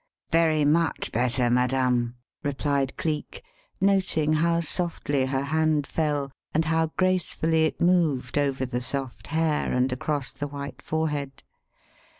"Very much better, madame," replied Cleek, noting how softly her hand fell, and how gracefully it moved over the soft hair and across the white forehead.